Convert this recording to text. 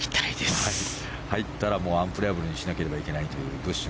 入ったらアンプレヤブルにしなければいけないブッシュ。